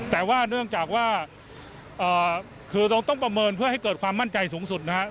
แต่ว่าเนื่องจากว่าคือเราต้องประเมินเพื่อให้เกิดความมั่นใจสูงสุดนะครับ